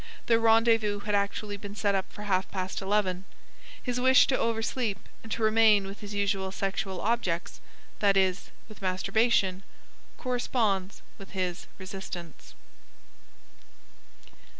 The rendezvous had actually been set for half past eleven. His wish to oversleep and to remain with his usual sexual objects (that is, with masturbation) corresponds with his resistance.